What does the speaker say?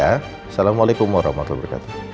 assalamualaikum warahmatullahi wabarakatuh